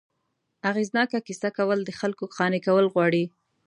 اغېزناکه کیسه کول، د خلکو قانع کول غواړي.